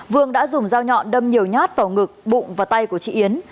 vương đã dùng dao nhọn đâm nhiều nhát vào ngực bụng và tay của chị yến